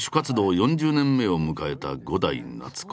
４０年目を迎えた伍代夏子。